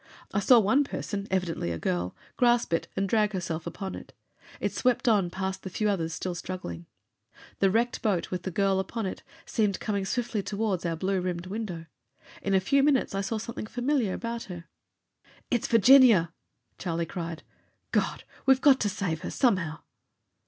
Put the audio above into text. I saw one person, evidently a girl, grasp it and drag herself upon it. It swept on past the few others still struggling. The wrecked boat with the girl upon it seemed coming swiftly toward our blue rimmed window. In a few minutes I saw something familiar about her. "It's Virginia!" Charlie cried. "God! We've got to save her, somehow!"